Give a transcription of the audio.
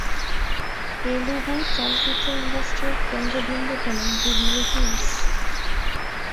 তেলুগু চলচ্চিত্র ইন্ডাস্ট্রির কেন্দ্রবিন্দু হলো জুবিলি হিলস।